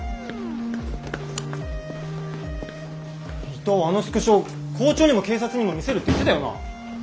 伊藤あのスクショ校長にも警察にも見せるって言ってたよな？